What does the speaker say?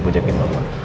gue jagain mama